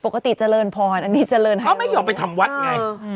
ปกติเจริญพรอันนี้เจริญเขาไม่ยอมไปทำวัดไงอืม